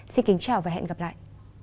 xin kính chào và hẹn gặp lại